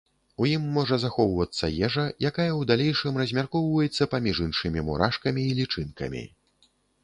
У ім можа захоўвацца ежа, якая ў далейшым размяркоўваецца паміж іншымі мурашкамі і лічынкамі.